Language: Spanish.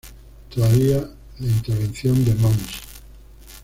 Todavía la intervención de mons.